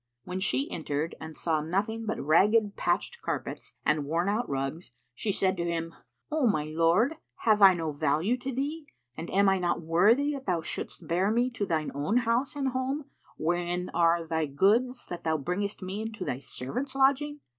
When she entered and saw nothing but ragged patched carpets and worn out rugs, she said to him, "O my lord, have I no value to thee and am I not worthy that thou shouldst bear me to thine own house and home wherein are thy goods, that thou bringest me into thy servant's lodging?